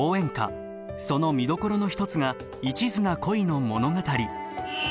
その見どころの一つが一途な恋の物語。